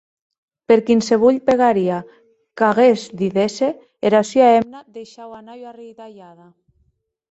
Per quinsevolh pegaria qu’aguest didesse, era sua hemna deishaue anar ua arridalhada.